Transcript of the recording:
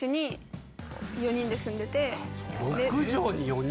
６畳に４人！